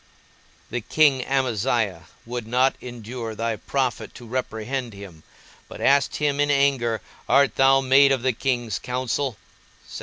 The king Amaziah would not endure thy prophet to reprehend him, but asked him in anger, _Art thou made of the king's counsel?